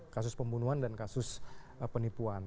kasus pembunuhan dan kasus penipuan